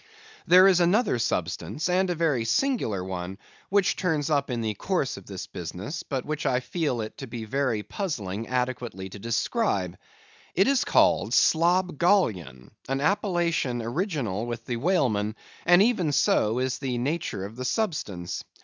There is another substance, and a very singular one, which turns up in the course of this business, but which I feel it to be very puzzling adequately to describe. It is called slobgollion; an appellation original with the whalemen, and even so is the nature of the substance.